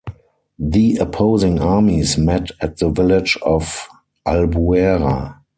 The opposing armies met at the village of Albuera.